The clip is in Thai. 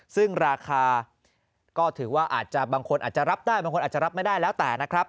ซึ่งราคาก็ถือว่าอาจจะบางคนอาจจะรับได้บางคนอาจจะรับไม่ได้แล้วแต่นะครับ